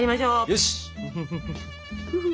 よし。